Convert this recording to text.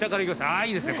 ああいいですね。